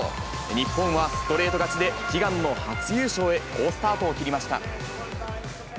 日本はストレート勝ちで、悲願の初優勝へ、好スタートを切りました。